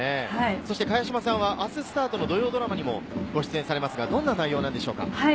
茅島さんはあすスタートの土曜ドラマにもご出演されますが、どんな内容なんでしょうか？